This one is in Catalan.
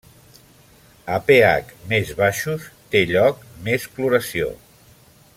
A pH més baixos, té lloc més cloració.